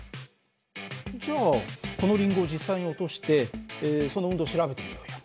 じゃあこのリンゴを実際に落としてその運動を調べてみようよ。